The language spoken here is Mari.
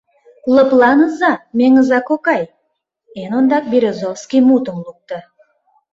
— Лыпланыза, Меҥыза кокай, — эн ондак Березовский мутым лукто.